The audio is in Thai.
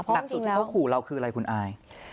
หนักสุดที่เขาขู่เราคืออะไรคุณอาย